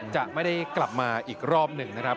จะไม่ได้กลับมาอีกรอบหนึ่งนะครับ